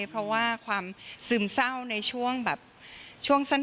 เพราะว่าความซึมเศร้าในช่วงแบบช่วงสั้น